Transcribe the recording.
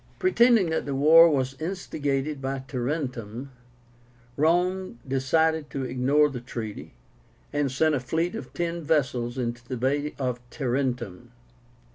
Pretending that the war was instigated by Tarentum, Rome decided to ignore the treaty, and sent a fleet of ten vessels into the Bay of Tarentum.